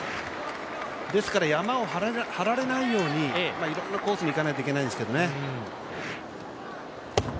ですからヤマを張られないように、いろんなコースにいかないといけないんですけどね。